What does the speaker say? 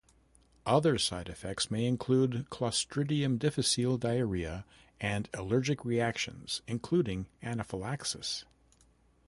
Other side effects may include "Clostridium difficile" diarrhea and allergic reactions including anaphylaxis.